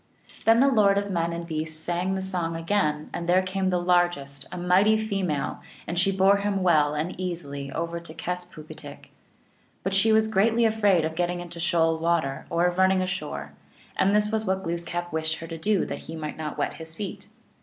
Then the lord of men and beasts sang the song again, and there came the largest, a mighty female, and she bore him well and easily over to Kes poog itk. But she was greatly afraid of getting into shoal water, or of running ashore, and this was what Gloos kap wished her to do that he might not wet his feet.